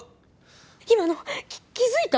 今の気づいた？